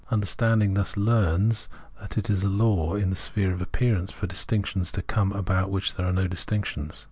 Understanding thus learns that it is a law in the sphere of appearance for distinc tions to come about which are no distinctions.